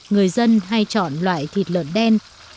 người dân hay chọn loại thịt lợn đen